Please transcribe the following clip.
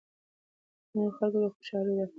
د نورو خلکو د خوشالو د پاره